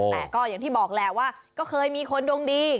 แต่ก็อย่างที่บอกแหละว่าก็เคยมีคนดวงดี